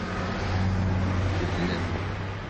Beddlen.